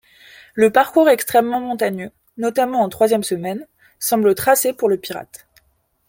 Le parcours extrêmement montagneux, notamment en troisième semaine, semble tracé pour le Pirate.